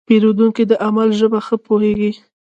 پیرودونکی د عمل ژبه ښه پوهېږي.